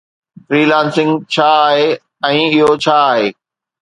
Free lancing ڇا آهي ۽ اهو ڇا آهي؟